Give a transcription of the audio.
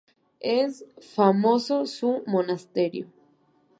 Es famoso su monasterio.